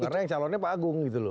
karena yang calonnya pak agung gitu loh